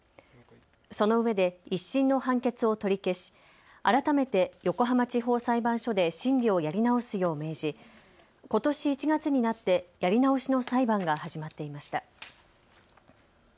そのうえで１審の判決を取り消し改めて横浜地方裁判所で審理をやり直すよう命じことし１月になって、やり直しの裁判が始まっていました。